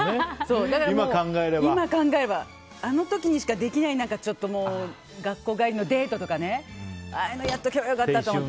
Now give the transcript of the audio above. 今考えればあの時にしかできない学校帰りのデートとかねああいうのやっておけば良かったと思って。